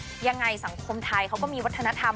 เพราะว่ายังไงสังคมไทยเขาก็มีวัฒนธรรม